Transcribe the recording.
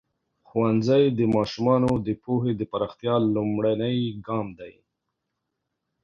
ښوونځی د ماشومانو د پوهې د پراختیا لومړنی ګام دی.